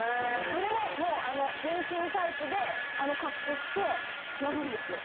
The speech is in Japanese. それももう全身タイツであの格好してやるんですよ。